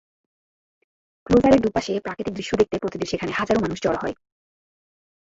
ক্লোজারের দুপাশে প্রাকৃতিক দৃশ্য দেখতে প্রতিদিন সেখানে হাজারো মানুষ জড়ো হয়।